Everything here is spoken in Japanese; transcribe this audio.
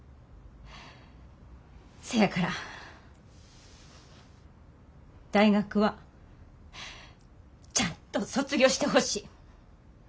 せやから大学はちゃんと卒業してほしい。